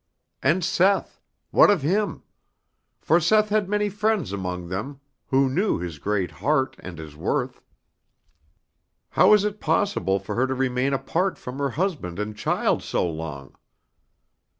And Seth? What of him? For Seth had many friends among them who knew his great heart and his worth. How was it possible for her to remain apart from her husband and child so long?